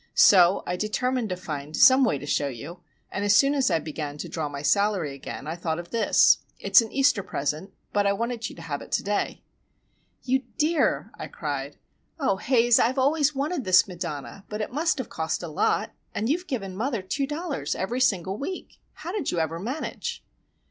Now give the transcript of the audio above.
So I determined to find some way to show you, and as soon as I began to draw my salary again I thought of this. It's an Easter present,—but I wanted you to have it to day." "You dear!" I cried. "Oh, Haze, I've always wanted this Madonna. But it must have cost a lot,—and you have given mother two dollars every single week! How did you ever manage?"